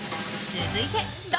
続いて脱！